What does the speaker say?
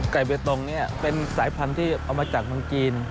ไก่เบตรงเป็นสายพันธุ์ที่เอามาจากฯจีน